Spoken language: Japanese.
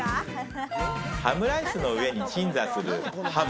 ハムライスの上に鎮座するハム。